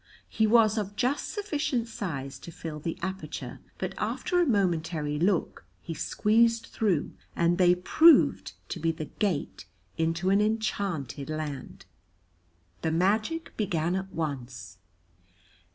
He was of just sufficient size to fill the aperture, but after a momentary look he squeezed through, and they proved to be the gate into an enchanted land. The magic began at once.